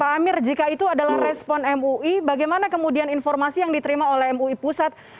pak amir jika itu adalah respon mui bagaimana kemudian informasi yang diterima oleh mui pusat